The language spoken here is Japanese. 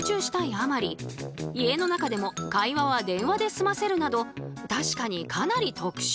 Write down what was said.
あまり家の中でも会話は電話で済ませるなど確かにかなり特殊。